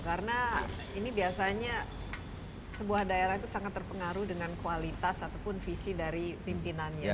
karena ini biasanya sebuah daerah itu sangat terpengaruh dengan kualitas ataupun visi dari pimpinannya